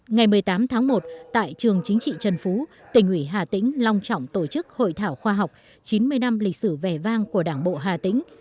ngày một mươi tám tháng một tại trường chính trị trần phú tỉnh ủy hà tĩnh long trọng tổ chức hội thảo khoa học chín mươi năm lịch sử vẻ vang của đảng bộ hà tĩnh